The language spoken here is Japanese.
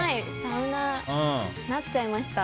なっちゃいました。